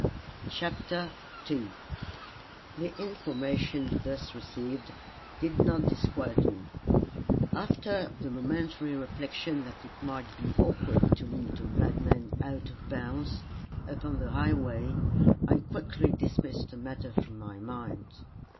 CHAPTER II The information thus received did not disquiet me. After the momentary reflection that it might be awkward to meet a madman, out of bounds, upon the highway, I quickly dismissed the matter from my mind.